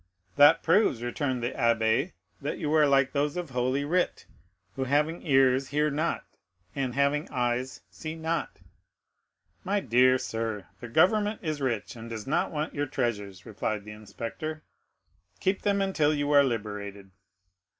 "That proves," returned the abbé, "that you are like those of Holy Writ, who having eyes see not, and having ears hear not." "My dear sir, the government is rich and does not want your treasures," replied the inspector; "keep them until you are liberated."